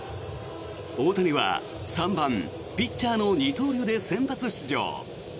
大谷は３番ピッチャーの二刀流で先発出場。